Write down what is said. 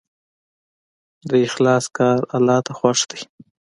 د اخلاص کار الله ته خوښ دی.